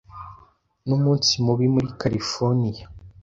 Numunsi mubi muri Californiya